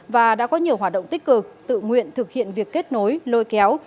và đã có nhiều hoạt động tích cực tự nguyện thực hiện việc kết nối lôi kéo